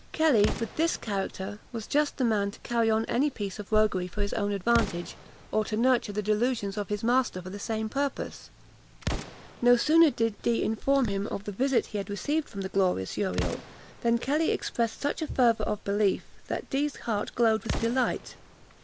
Kelly, with this character, was just the man to carry on any piece of roguery for his own advantage, or to nurture the delusions of his master for the same purpose. No sooner did Dee inform him of the visit he had received from the glorious Uriel, than Kelly expressed such a fervour of belief, that Dee's heart glowed with delight.